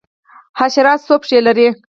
حشرات څو پښې لري؟